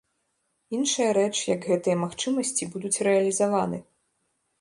Іншая рэч, як гэтыя магчымасці будуць рэалізаваны.